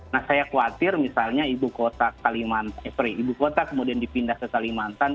nah saya khawatir misalnya ibu kota kemudian dipindah ke kalimantan